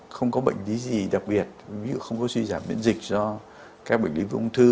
không có bệnh lý gì đặc biệt ví dụ không có suy giảm miễn dịch do các bệnh lý ung thư